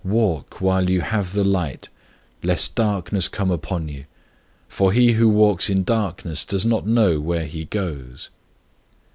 Walk while ye have the light, lest darkness come upon you: for he that walketh in darkness knoweth not whither he goeth.